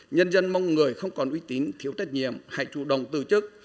nhân dân mong người không còn uy tín thiếu trách nhiệm hãy chủ động từ chức